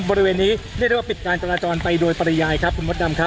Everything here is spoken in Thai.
โอเคนี้ปิดการจราจรไปโดยปรยายครับคุณพระดำครับ